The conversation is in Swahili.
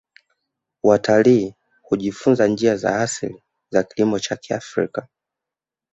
Watalii hujifunza njia za asili za kilimo cha kiafrika